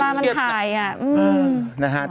อ๋อนังเชียดเวลามันหาย